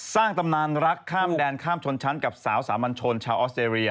ตำนานรักข้ามแดนข้ามชนชั้นกับสาวสามัญชนชาวออสเตรเลีย